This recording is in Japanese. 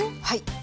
はい。